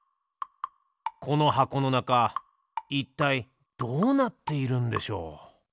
この箱のなかいったいどうなっているんでしょう？